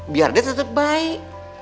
biar dia tetep baik